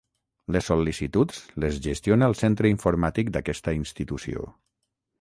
Les sol·licituds les gestiona el Centre Informàtic d'aquesta institució.